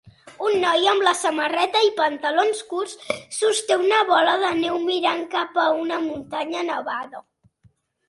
Un noi amb samarreta i pantalons curts sosté una bola de neu mirant cap a una muntanya nevada.